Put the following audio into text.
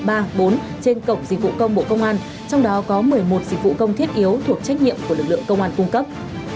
trên cổng dịch vụ công bộ công an trong đó có một mươi một dịch vụ công thiết yếu thuộc trách nhiệm của lực lượng công an cung cấp